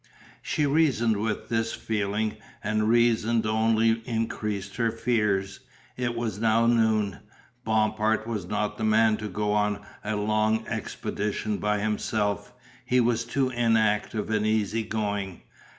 She reasoned with this feeling, and reason only increased her fears. It was now noon, Bompard was not the man to go on a long expedition by himself; he was too inactive and easy going.